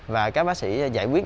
và các bác sĩ giải quyết